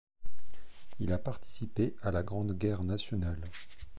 Il a participé à la Grande Guerre nationale.